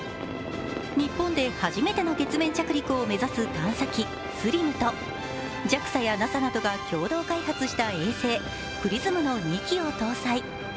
日本で初めての月面着陸を目指す探査機ＳＬＩＭとＪＡＸＡやＮＡＳＡなどが共同開発した衛星ＸＲＩＳＭの２基を搭載。